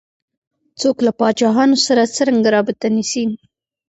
څوک له پاچاهانو سره څرنګه رابطه نیسي.